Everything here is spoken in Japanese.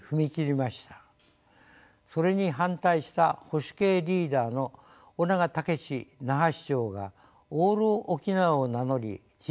それに反対した保守系リーダーの翁長雄志那覇市長が「オール沖縄」を名乗り知事選に勝利。